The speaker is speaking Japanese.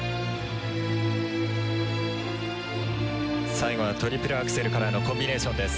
最後はトリプルアクセルからのコンビネーションです。